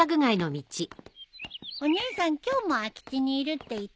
お姉さん今日も空き地にいるって言ってたから行ってみよう。